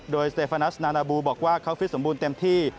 โดยสเตฟานัสนานาบูบอกว่าเขาฟิตสมบูรณ์เต็มที่